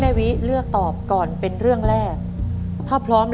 แบบช่วยดูเสลจคือทำทุกอย่างที่ให้น้องอยู่กับแม่ได้นานที่สุด